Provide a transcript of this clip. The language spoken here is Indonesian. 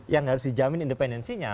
yang harus dijamin independensinya